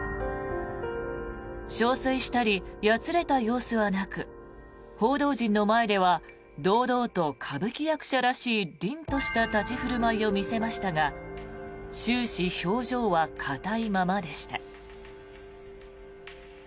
憔悴したりやつれた様子はなく報道陣の前では堂々と歌舞伎役者らしいりんとした立ち振る舞いを見せましたが終始、表情は硬いままでした。